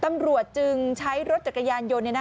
ตำรวจจึงใช้รถจักรยานยนต์จอดขวางเอาไว้